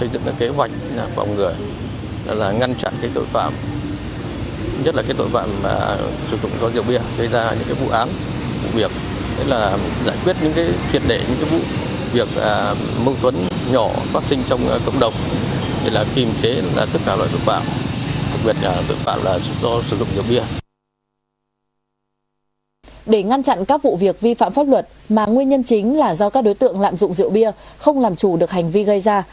để ngăn chặn các vụ việc vi phạm pháp luật mà nguyên nhân chính là do các đối tượng lạm dụng rượu bia không làm chủ được hành vi gây ra